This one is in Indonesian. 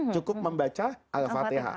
cukup membaca al fatihah